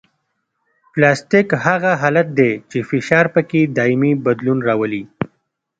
پلاستیک هغه حالت دی چې فشار پکې دایمي بدلون راولي